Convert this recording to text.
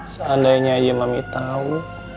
seandainya aja mami tau